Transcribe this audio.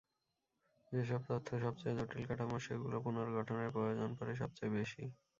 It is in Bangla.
যেসব তথ্য সবচেয়ে জটিল কাঠামোর, সেগুলো পুনর্গঠনের প্রয়োজন পড়ে সবচেয়ে বেশি।